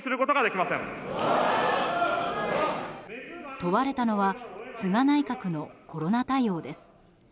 問われたのは菅内閣のコロナ対応です。